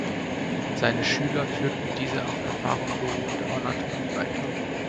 Seine Schüler führten diese auf Erfahrung beruhende Anatomie weiter.